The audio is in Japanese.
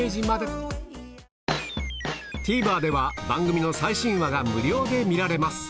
ＴＶｅｒでは番組の最新話が無料で見られます